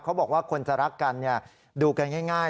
เขาบอกว่าคนจะรักกันดูกันง่าย